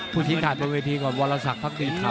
ผู้ชิงขาดตรงเวทีก่อนวรสักภักดิ์ครับ